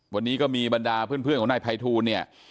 วันนี้ก็มีบรรดาเพื่อนของนายภัยทูลเนี่ย